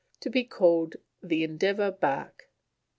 To be called The Endeavour Bark."